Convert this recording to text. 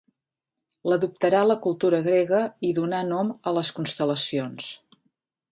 L'adoptarà la cultura grega i donà nom a les constel·lacions